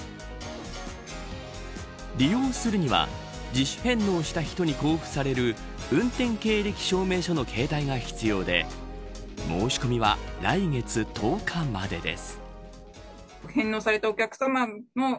利用するには自主返納した人に交付される運転経歴証明書の携帯が必要で申し込みは来月１０日までです。